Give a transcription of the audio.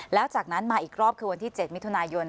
แล้วจากนั้นมาอีกรอบคือวันที่๗มิถุนายน